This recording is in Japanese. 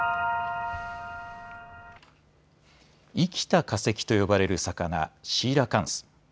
生きた化石と呼ばれる魚、シーラカンス。